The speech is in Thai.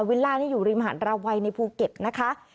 ล่านี่อยู่ริมหาดราวัยในภูเก็ตนะคะ